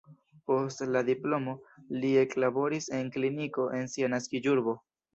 Post la diplomo li eklaboris en kliniko en sia naskiĝurbo.